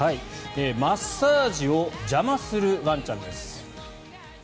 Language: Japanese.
マッサージを邪魔するワンちゃんです。